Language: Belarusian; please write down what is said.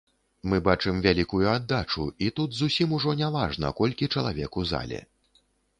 Мы бачым вялікую аддачу, і тут зусім ужо не важна, колькі чалавек у зале.